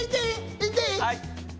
はい。